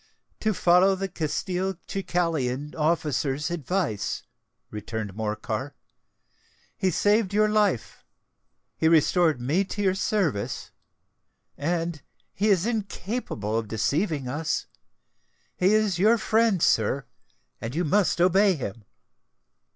"To follow the Castelcicalan officer's advice," returned Morcar. "He saved your life—he restored me to your service—and he is incapable of deceiving us. He is your friend, sir—and you must obey him."